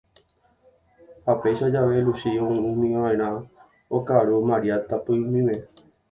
ha péichajave Luchi oúmiva'erã okaru Maria tapỹimime.